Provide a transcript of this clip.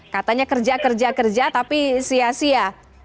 katanya kerja kerja kerja tapi sia sia